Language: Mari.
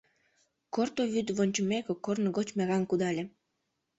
Корто вӱд вончымек, корно гоч мераҥ кудале.